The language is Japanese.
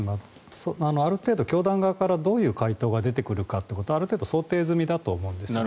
ある程度、教団側からどういう回答が出てくるかはある程度想定済みだと思うんですね。